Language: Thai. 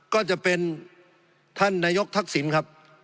ก็จะเป็นท่านนายกทักษิณครับ